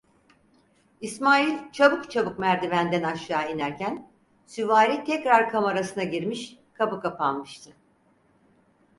İsmail çabuk çabuk merdivenden aşağı inerken, süvari tekrar kamarasına girmiş, kapı kapanmıştı.